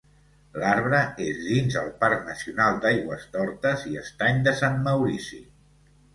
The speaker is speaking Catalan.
L'arbre és dins el Parc Nacional d'Aigüestortes i Estany de Sant Maurici.